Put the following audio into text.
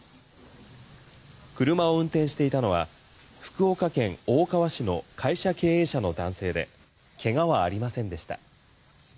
車を運転していたのは福岡県大川市の会社経営者の男性でけがはありませんでした。